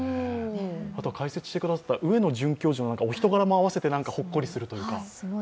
あとは解説してくださった上野准教授のお人柄も併せてほっこりするというか。